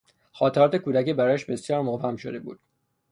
خاطرات کودکی برایش بسیار مبهم شده بود.